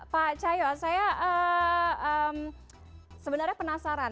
pak cahyo saya sebenarnya penasaran